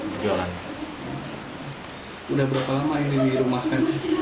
sudah berapa lama ini dirumahkan